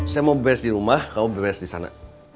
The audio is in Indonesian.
saya mau best di rumah kamu beres di sana